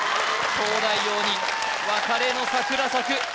東大王に別れの桜咲く